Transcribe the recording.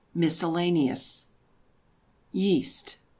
MISCELLANEOUS. YEAST.